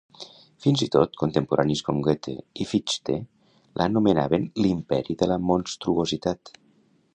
Fins i tot contemporanis com Goethe i Fichte l'anomenaven l'imperi de la monstruositat.